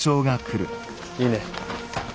いいね。